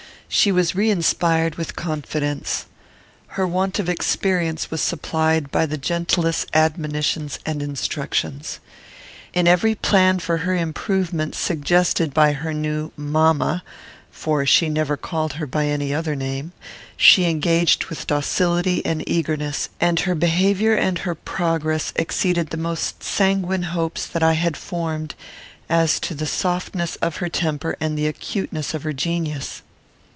She was reinspired with confidence. Her want of experience was supplied by the gentlest admonitions and instructions. In every plan for her improvement suggested by her new mamma, (for she never called her by any other name,) she engaged with docility and eagerness; and her behaviour and her progress exceeded the most sanguine hopes that I had formed as to the softness of her temper and the acuteness of her genius.